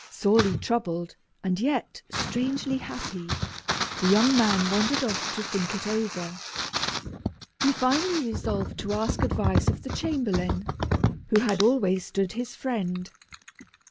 Sorely troubled, and yet strangely happy, the young man wandered off to think it over. He finally resolved to ask advice of the chamberlain, who had always stood his friend.